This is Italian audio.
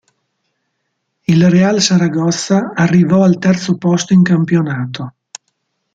Il Real Saragozza arrivò al terzo posto in campionato.